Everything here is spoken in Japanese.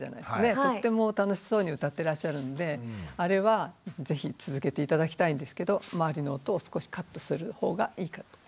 とっても楽しそうに歌ってらっしゃるんであれは是非続けて頂きたいんですけど周りの音を少しカットするほうがいいかと思います。